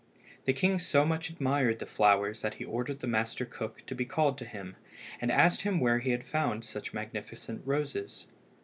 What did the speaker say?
The king so much admired the flowers that he ordered the master cook to be called to him, and asked him where he had found such magnificent roses.